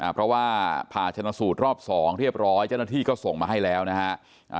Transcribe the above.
เพราะว่าผ่าชนสูตรรอบ๒เรียบร้อยเจ้าหน้าที่ก็ส่งมาให้แล้วนะฮะ